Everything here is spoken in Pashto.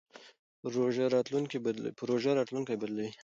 پروژه راتلونکی بدلوي.